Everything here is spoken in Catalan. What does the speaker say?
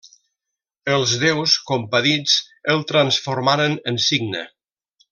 Els déus, compadits, el transformaren en cigne.